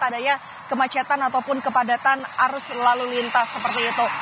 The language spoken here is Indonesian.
adanya kemacetan ataupun kepadatan arus lalu lintas seperti itu